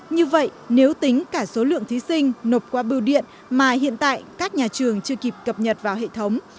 như vậy nếu tính cả số lượng thí sinh nộp qua biêu điện mà hiện tại các nhà trường chưa kịp cập nhật vào hệ thống